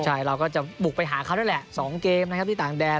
ใช่เราก็จะบุกไปหาเขาด้วยแหละ๒เกมที่ต่างแดน